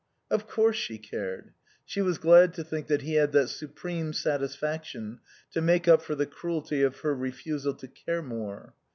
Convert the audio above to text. Of course she cared. She was glad to think that he had that supreme satisfaction to make up for the cruelty of her refusal to care more.